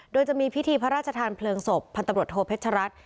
โดยจะมีพิธีพระราชทานเพลิงศพพันตำรวจโทเพชรัตน์